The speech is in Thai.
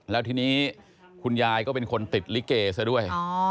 แล้วทีนี้คุณยายก็เป็นคนติดลิเกซะด้วย